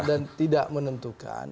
dan tidak menentukan